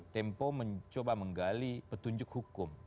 tempo mencoba menggali petunjuk hukum